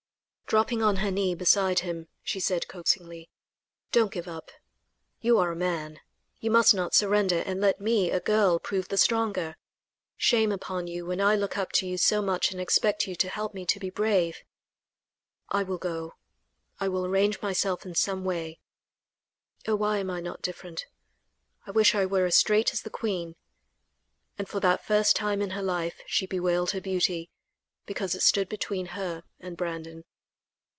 Dropping on her knee beside him, she said coaxingly: "Don't give up; you are a man; you must not surrender, and let me, a girl, prove the stronger. Shame upon you when I look up to you so much and expect you to help me be brave. I will go. I will arrange myself in some way. Oh! why am I not different; I wish I were as straight as the queen," and for that first time in her life she bewailed her beauty, because it stood between her and Brandon.